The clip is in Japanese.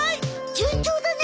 順調だね！